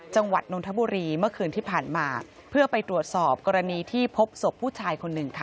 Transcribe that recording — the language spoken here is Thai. นนทบุรีเมื่อคืนที่ผ่านมาเพื่อไปตรวจสอบกรณีที่พบศพผู้ชายคนหนึ่งค่ะ